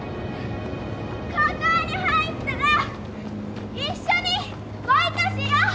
高校に入ったら一緒にバイトしよう！